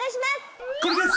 これです！